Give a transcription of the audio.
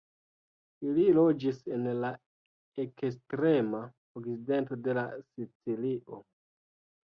Ili loĝis en la ekstrema okcidento de Sicilio.